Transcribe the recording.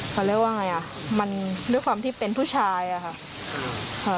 เขาเรียกว่าไงอ่ะมันด้วยความที่เป็นผู้ชายอะค่ะ